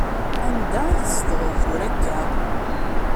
Anda i tzedɣeḍ tura akka?